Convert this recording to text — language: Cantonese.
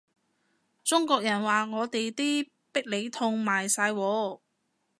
中國人話我哋啲必理痛賣晒喎